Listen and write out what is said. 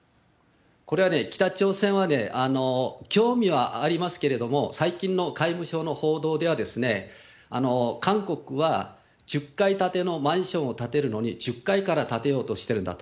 これは北朝鮮は、興味はありますけれども、最近の外務省の報道では、韓国は１０階建てのマンションを建てるのに、１０階から建てようとしてるんだと。